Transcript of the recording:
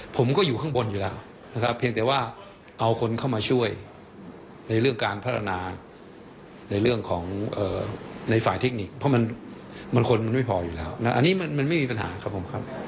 ผมก็อยู่ข้างบนอยู่แล้วนะครับเพียงแต่ว่าเอาคนเข้ามาช่วยในเรื่องการพัฒนาในเรื่องของในฝ่ายเทคนิคเพราะมันคนมันไม่พออยู่แล้วนะอันนี้มันไม่มีปัญหาครับผมครับ